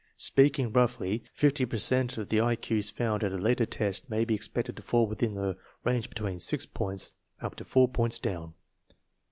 Speaking roughly, fifty per cent of the I Q*s found at a later test may be expected to fall within the range between six points up and four points down.